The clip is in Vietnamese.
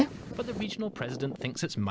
nhưng bộ phim này không có ý nghĩa